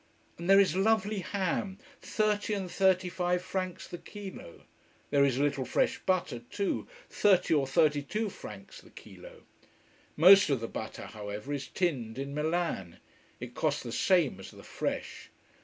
And there is lovely ham thirty and thirty five francs the kilo. There is a little fresh butter too thirty or thirty two francs the kilo. Most of the butter, however, is tinned in Milan. It costs the same as the fresh.